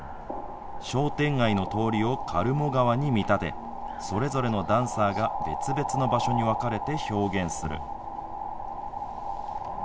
商店街の通りを苅藻川に見立て、それぞれのダンサーが別々の場所に分かれて表現する。